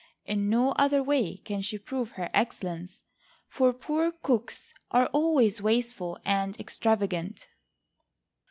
In no other way can she prove her excellence; for poor cooks are always wasteful and extravagant.